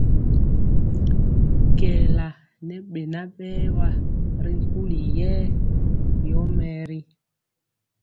Kɛɛla ŋɛ beŋa berwa ri nkuli yɛɛ yomɛɛri.